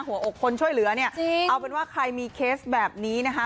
หัวอกคนช่วยเหลือเนี่ยเอาเป็นว่าใครมีเคสแบบนี้นะคะ